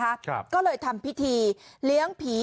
ครับก็เลยทำพิธีเลี้ยงผี